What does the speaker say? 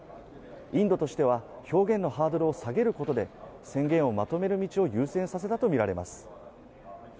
インドとしては表現のハードルを下げることで宣言をまとめる道を優先させたとみられます。